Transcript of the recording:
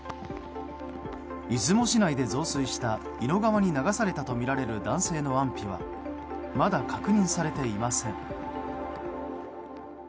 出雲市内で増水した伊野川に流されたとみられる男性の安否はまだ確認されていません。